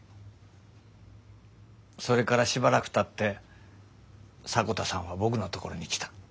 それからしばらくたって迫田さんは僕のところに来た。